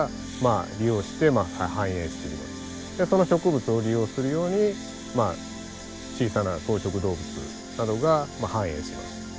その植物を利用するように小さな草食動物などが繁栄します。